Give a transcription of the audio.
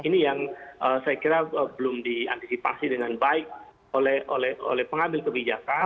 ini yang saya kira belum diantisipasi dengan baik oleh pengambil kebijakan